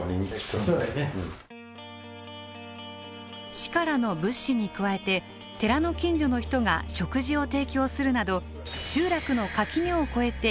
市からの物資に加えて寺の近所の人が食事を提供するなど集落の垣根を越えて協力してくれることになりました。